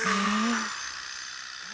え。